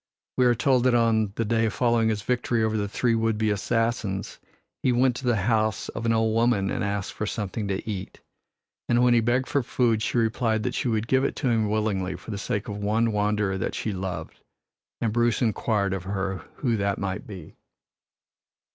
We are told that on the day following his victory over the three would be assassins he went to the house of an old woman and asked for something to eat. And when he begged for food she replied that she would give it to him willingly for the sake of one wanderer that she loved; and Bruce inquired of her who that might be.